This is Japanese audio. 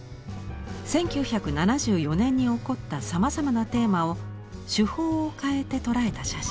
１９７４年に起こったさまざまなテーマを手法を変えて捉えた写真。